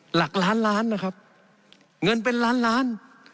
หลักล้านล้านนะครับเงินเป็นล้านล้าน